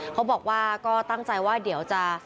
เขาบอกว่าก็ตั้งใจว่าเดี๋ยวจะ